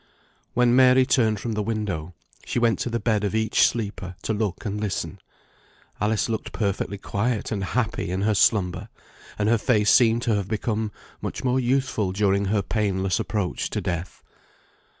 When Mary turned from the window, she went to the bed of each sleeper, to look and listen. Alice looked perfectly quiet and happy in her slumber, and her face seemed to have become much more youthful during her painless approach to death.